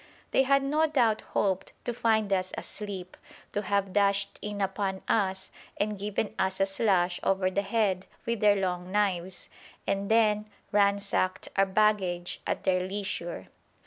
They had no doubt hoped to find us asleep, to have dashed in upon us and given us a slash over the head with their long knives, and then ransacked our baggage at their leisure.